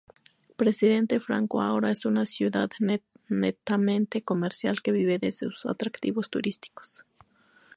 Presidente Franco ahora es una ciudad netamente comercial que vive de sus atractivos turísticos.